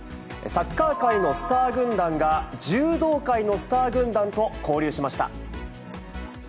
サッカー界のスター軍団が、柔道界のスター軍団と交流しました。